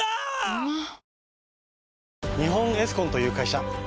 うまっ！！